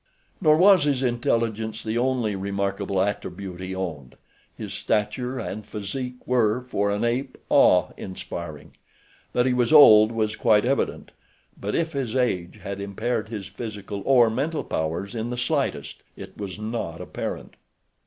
Nor was his intelligence the only remarkable attribute he owned. His stature and physique were, for an ape, awe inspiring. That he was old was quite evident, but if his age had impaired his physical or mental powers in the slightest it was not apparent.